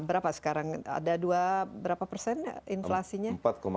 berapa sekarang ada dua berapa persen inflasinya